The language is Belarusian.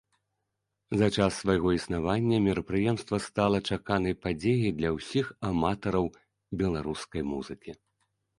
За час свайго існавання мерапрыемства стала чаканай падзеяй для ўсіх аматараў беларускай музыкі.